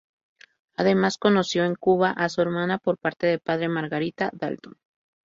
Además conoció en Cuba a su hermana por parte de padre, Margarita Dalton.